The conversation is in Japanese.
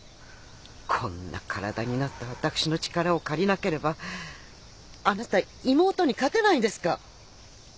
こんな体になった私の力を借りなければあなた妹に勝てないんですか！